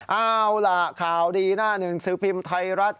เอาล่ะข่าวดีหน้าหนึ่งสือพิมพ์ไทยรัฐ